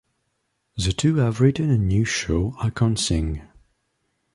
The two have written a new show I Can't Sing!